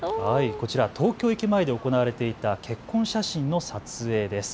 こちら東京駅前で行われていた結婚写真の撮影です。